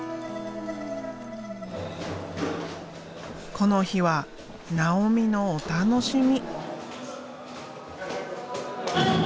この日は尚美のお楽しみ。